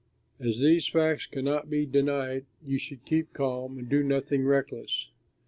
As these facts cannot be denied, you should keep calm and do nothing reckless.